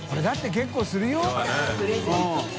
結構するよ？ねぇ。